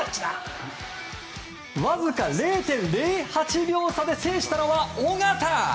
わずか０．０８秒差で制したのは小方！